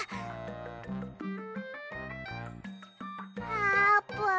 あーぷん。